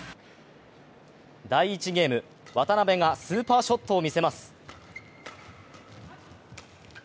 第１ゲーム、渡辺がスーパーショットを見せます。